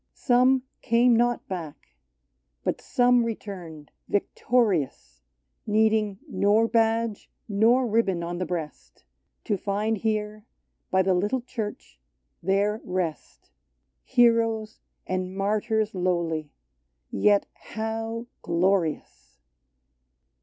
Some came not back ; but some returned, victo rious, — Needing nor badge nor ribbon on the breast, — To find here, by the little Church, their rest : Heroes and martyrs lowly — yet how glorious